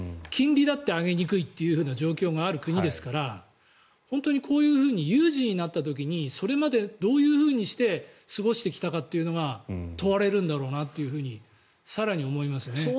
金利だって上げにくいという状況がある国ですから本当に、こういうふうに有事になった時にそれまでどういうふうにして過ごしてきたかというのが問われるんだろうなと更に思いますよね。